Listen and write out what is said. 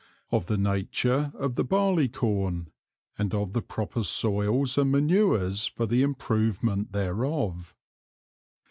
Of the Nature of the Barley Corn, and of the proper Soils and Manures for the Improvement thereof.